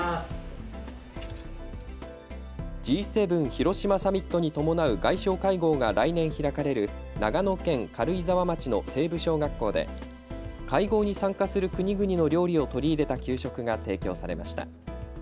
Ｇ７広島サミットに伴う外相会合が来年開かれる長野県軽井沢町の西部小学校で会合に参加する国々の料理を取り入れた給食が提供されました。